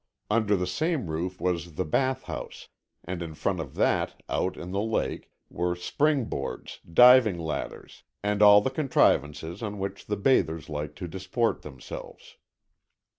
Under the same roof was the bath house, and in front of that, out in the lake, were springboards, diving ladders and all the contrivances on which the bathers like to disport themselves.